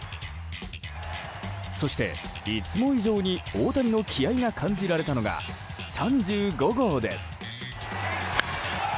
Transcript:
そして、いつも以上に大谷の気合が感じられたのが３５号です。